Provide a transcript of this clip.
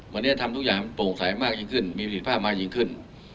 วันนี้ทำทุกอย่างโปร่งใสมากยิ่งขึ้นมีประสิทธิภาพมากยิ่งขึ้น